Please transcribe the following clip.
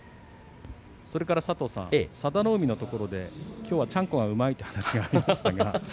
佐田の海のところできょうは、ちゃんこがうまいという話がありましたね。